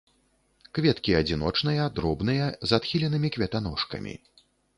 Кветкі адзіночныя, дробныя, з адхіленымі кветаножкамі.